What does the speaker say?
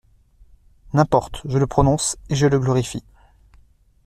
N'importe, je le prononce, et je le glorifie.